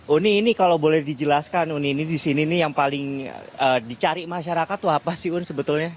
uni ini kalau boleh dijelaskan uni ini di sini nih yang paling dicari masyarakat tuh apa sih un sebetulnya